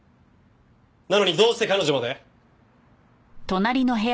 なのにどうして彼女まで？